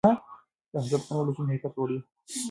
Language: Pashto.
د حسد ختمول د ژوند کیفیت لوړوي.